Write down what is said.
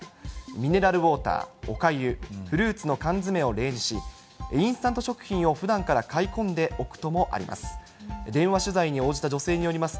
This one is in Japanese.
ミネラルウォーター、おかゆ、フルーツの缶詰を例示し、インスタント食品をふだんから買い込んでおくともあります。